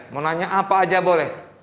mau nanya apa aja boleh